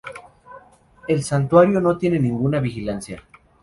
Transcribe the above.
El santuario no tiene ninguna vigilancia.